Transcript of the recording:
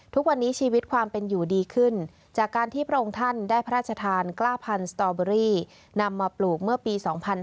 ทุกวันนี้ชีวิตความเป็นอยู่ดีขึ้นจากการที่พระองค์ท่านได้พระราชทาน๙๐๐สตอเบอรี่นำมาปลูกเมื่อปี๒๕๕๙